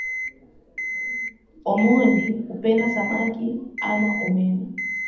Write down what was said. Omondi hupenda samaki ama omena